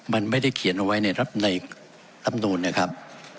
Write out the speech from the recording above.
เห็นไว้ในรับโน้นเนี่ยครับ